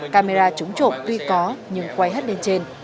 camera trúng trộm tuy có nhưng quay hết lên trên